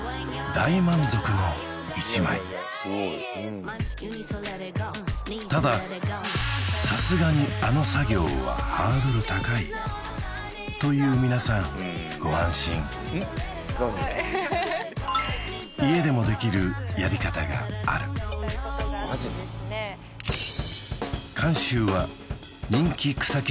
大満足の１枚たださすがにあの作業はハードル高いという皆さんご安心家でもできるやり方がある監修は人気草木